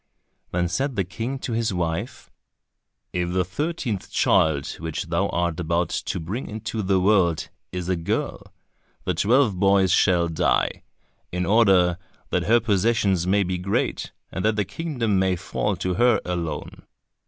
Then said the King to his wife, "If the thirteenth child which thou art about to bring into the world, is a girl, the twelve boys shall die, in order that her possessions may be great, and that the kingdom may fall to her alone."